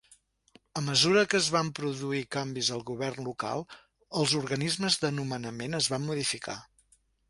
A mesura que es van produir canvis al govern local, els organismes de nomenament es van modificar.